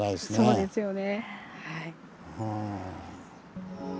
そうですよね。